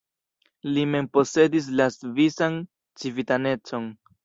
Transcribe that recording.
Li mem posedis la svisan civitanecon.